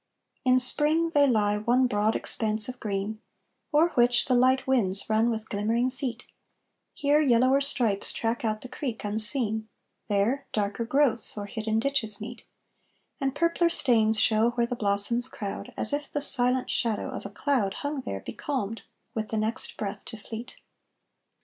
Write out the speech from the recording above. In Spring they lie one broad expanse of green, O'er which the light winds run with glimmering feet; Here, yellower stripes track out the creek unseen, There, darker growths o'er hidden ditches meet; And purpler stains show where the blossoms crowd, As if the silent shadow of a cloud Hung there becalmed, with the next breath to fleet.